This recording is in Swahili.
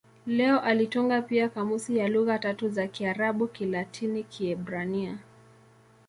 Leo alitunga pia kamusi ya lugha tatu za Kiarabu-Kilatini-Kiebrania.